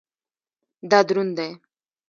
دا دروند دی